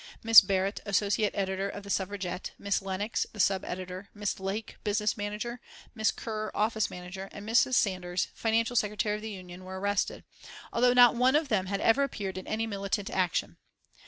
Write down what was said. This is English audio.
Miss Barrett, associate editor of The Suffragette; Miss Lennox, the sub editor; Miss Lake, business manager; Miss Kerr, office manager, and Mrs. Sanders, financial secretary of the Union, were arrested, although not one of them had ever appeared in any militant action.